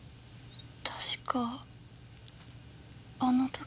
確かあの時。